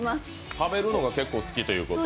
食べるのが好きということで？